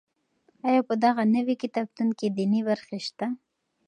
آیا په دغه نوي کتابتون کې دیني برخې شته؟